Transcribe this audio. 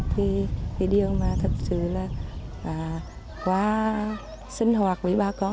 thì điện mà thật sự là quá sinh hoạt với bà con